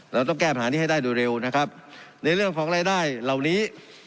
เราต้องแก้ปัญหานี้ให้ได้โดยเร็วนะครับในเรื่องของรายได้เหล่านี้